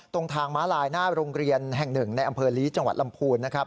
ตรงทางม้าลายหน้าโรงเรียนแห่งหนึ่งในอำเภอลีจังหวัดลำพูนนะครับ